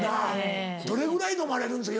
どれぐらい飲まれるんですか？